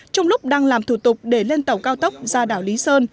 trong lúc đang làm thủ tục để lên tàu cao tốc ra đảo lý sơn